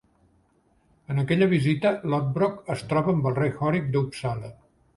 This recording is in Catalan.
En aquella visita, Lothbrok es troba amb el rei Horik d'Uppsala.